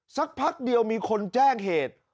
สักพักเดียวมีคนแจ้งเหตุ